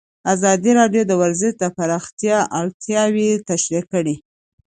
ازادي راډیو د ورزش د پراختیا اړتیاوې تشریح کړي.